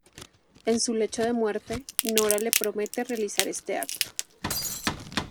En su lecho de muerte, Nora le promete realizar este acto.